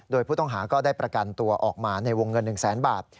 โดยผู้ต้องหาก็ได้ประกันตัวออกมาในวงเงิน๑แสนบาท